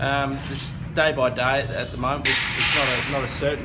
hari demi hari tidak ada kebenaran